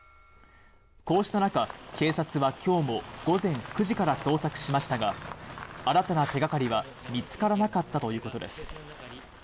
こうした中、警察はきょうも午前９時から捜索しましたが、新たな手がかりは見つからなかったということです。